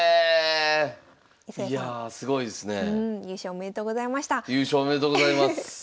おめでとうございます。